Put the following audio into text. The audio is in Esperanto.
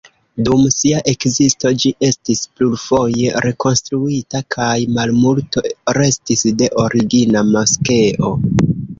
Dum sia ekzisto ĝi estis plurfoje rekonstruita, kaj malmulto restis de origina moskeo.